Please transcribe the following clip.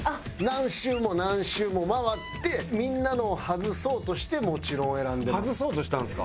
何周も何周も回ってみんなのを外そうとしてもちろん選んでます。